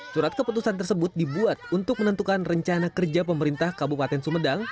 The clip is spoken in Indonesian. surat keputusan tersebut dibuat untuk menentukan rencana kerja pemerintah kabupaten sumedang